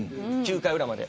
９回の裏まで。